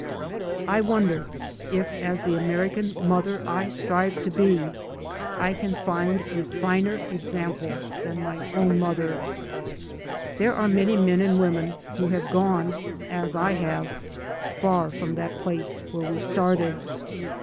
I wonder if, as the American mother I strive to be I can find a finer ex ample than my own mother 1 There are many men and women who have gone, as I have, far from that place where [i68] 3 by Google MY MOTHER AND I we started.